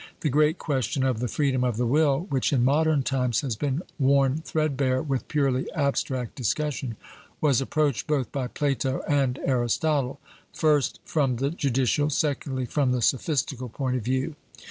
The great question of the freedom of the will, which in modern times has been worn threadbare with purely abstract discussion, was approached both by Plato and Aristotle first, from the judicial; secondly, from the sophistical point of view.